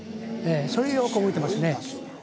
それよく覚えてますね。